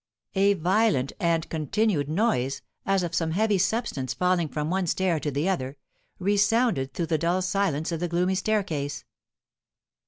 A violent and continued noise, as of some heavy substance falling from one stair to the other, resounded through the dull silence of the gloomy staircase.